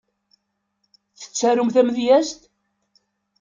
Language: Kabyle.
Tettarum tamedyezt?